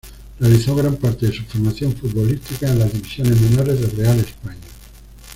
Realizó gran parte de su formación futbolística en las divisiones menores de Real España.